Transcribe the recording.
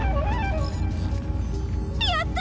やった！